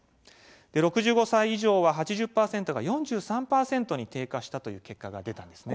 ６５歳以上は８０％が４３％に低下したという結果が出たんですね。